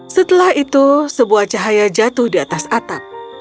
setelah itu sebuah cahaya jatuh di atas atap